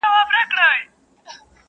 زما تر لحده به آواز د مرغکیو راځي.!